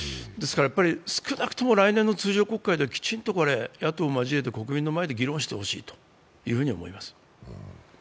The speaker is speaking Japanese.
少なくとも来年の通常国会では野党を交えて、国民の前で議論してほしいと思います。